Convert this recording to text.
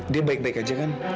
dia baik baik aja kan